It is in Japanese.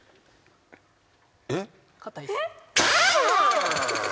えっ？